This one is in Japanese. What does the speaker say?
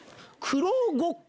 くろうごっこ。